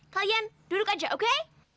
kalian duduk aja oke